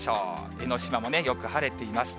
江の島もよく晴れています。